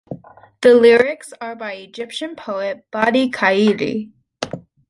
The lyrics are by Egyptian poet Badi' Khairi.